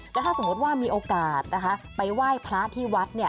แล้วถ้าสมมุติว่ามีโอกาสไปว่ายพระที่วัด